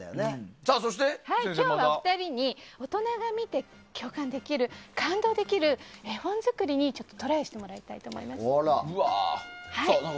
今日はお二人に、大人が見て感動できる絵本作りにトライしてもらいたいと思います。